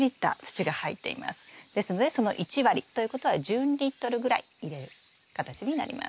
ですのでその１割ということは１２リットルぐらい入れる形になります。